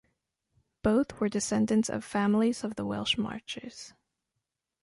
Both were descendants of families of the Welsh Marches.